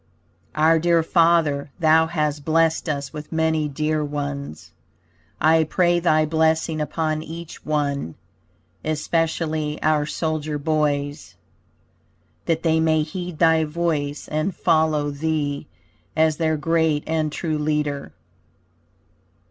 Our Dear Father thou hast blessed us with many dear ones. I pray thy blessing upon each one, especially our soldier boys That they may heed thy voice and follow thee as their great and true leader.